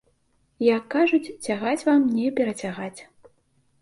Як кажуць, цягаць вам не перацягаць.